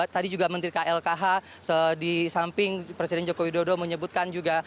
tadi juga menteri klkh di samping presiden joko widodo menyebutkan juga